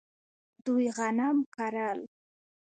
دوی غنم کرل.